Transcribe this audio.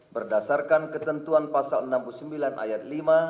berdasarkan ketentuan pasal enam puluh sembilan ayat lima